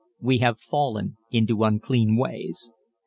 _We have fallen into unclean ways!